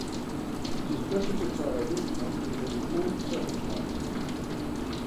It is better to tie a reef knot in nearly all circumstances.